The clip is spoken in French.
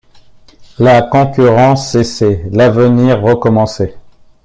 La concurrence cessait ; l’avenir recommençait.